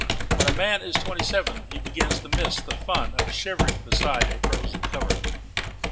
When a man is twenty seven he begins to miss the fun of shivering beside a frozen cover.